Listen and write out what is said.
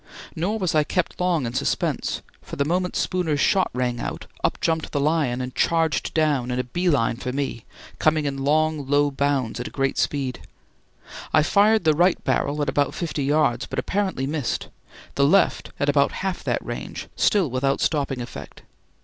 Nor was I kept long in suspense, for the moment Spooner's shot rang out, up jumped the lion and charged down in a bee line for me, coming in long, low bounds at great speed. I fired the right barrel at about fifty yards, but apparently missed; the left at about half that range, still without stopping effect.